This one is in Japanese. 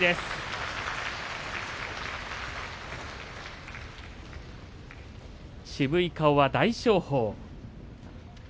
拍手渋い顔は大翔鵬。